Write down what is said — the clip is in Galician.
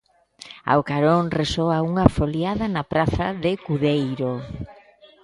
Ao carón resoa unha foliada na praza de Cudeiro.